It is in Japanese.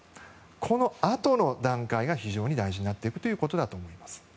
このあとの段階が非常に大事になっていくということだと思います。